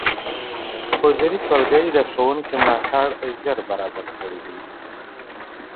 حضوري ټولګي د ښوونکي ملاتړ ژر برابره کړې ده.